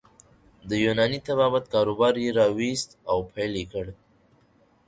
د یوناني طبابت کاروبار يې راویست او پیل یې کړ.